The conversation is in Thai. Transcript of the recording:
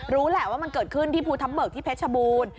รู้แหละว่ามันเกิดขึ้นที่ภูทับเบิกที่เพชรบูรณ์